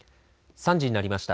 ３時になりました。